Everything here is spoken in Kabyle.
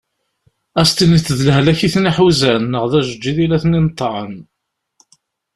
Ad as-tiniḍ d lehlak iten-iḥuzan neɣ d ajeǧǧiḍ i la iten-ineṭɛen.